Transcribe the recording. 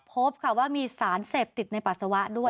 พบค่ะว่ามีสารเสพติดในปัสสาวะด้วย